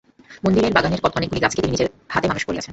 মন্দিরের বাগানের অনেকগুলি গাছকে তিনি নিজের হাতে মানুষ করিয়াছেন।